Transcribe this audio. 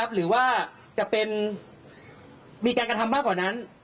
หรือว่าจะเป็นมีการกระทำมากกว่านั้น